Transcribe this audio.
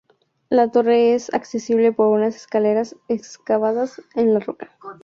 La torre es accesible por unas escaleras excavadas en la roca.